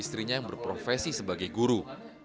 istrinya yang berprofesi sebagai guru